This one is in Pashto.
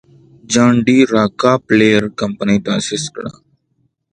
جان ډي راکلفیلر کمپنۍ تاسیس کړه.